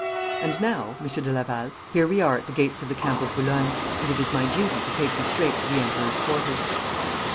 And now, Monsieur de Laval, here we are at the gates of the Camp of Boulogne, and it is my duty to take you straight to the Emperor's quarters.'